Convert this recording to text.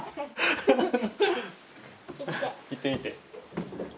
行ってみて。